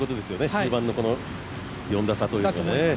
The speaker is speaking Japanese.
終盤の４打差というのは。